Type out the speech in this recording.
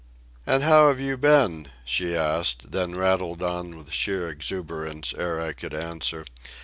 "And how have you been?" she asked, then rattled on with sheer exuberance ere I could answer.